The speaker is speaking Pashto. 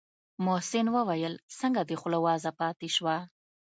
محسن وويل څنگه دې خوله وازه پاته شوه.